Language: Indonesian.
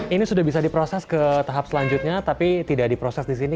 ini sudah bisa diproses ke tahap selanjutnya tapi tidak diproses di sini